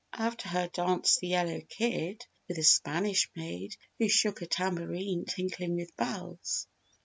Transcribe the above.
After her danced the Yellow Kid with the Spanish Maid who shook a tambourine tinkling with bells.